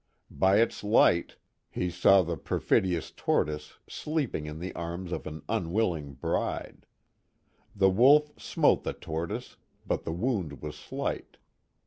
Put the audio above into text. By its light he saw the perfidious The Legend of Little Falls 37 1 Tortoise sleeping in the arms of an unwilling bride. The Wolf smote the Tortoise, but the wound was sliglit.